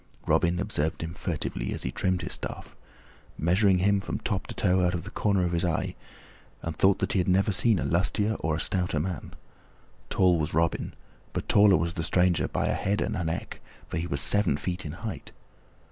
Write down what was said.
Robin observed him furtively as he trimmed his staff, measuring him from top to toe from out the corner of his eye, and thought that he had never seen a lustier or a stouter man. Tall was Robin, but taller was the stranger by a head and a neck, for he was seven feet in height.